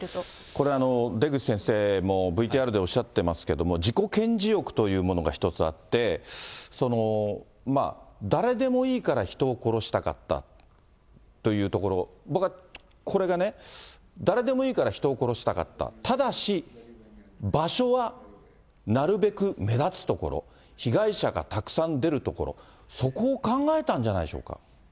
これ、出口先生もＶＴＲでおっしゃってますけれども、自己顕示欲というものが一つあって、誰でもいいから人を殺したかったというところ、僕はこれがね、誰でもいいから人を殺したかった、ただし、場所はなるべく目立つところ、被害者がたくさん出るところ、そこを考えたんじゃないでしょうか。